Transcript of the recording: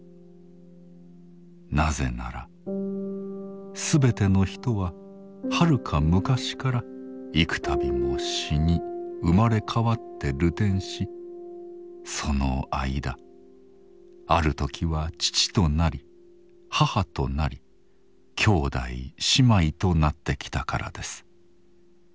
なぜならすべての人ははるか昔から幾たびも死に生まれ変わって流転しその間ある時は父となり母となり兄弟姉妹となってきたからです。